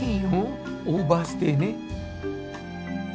オーバーステイね。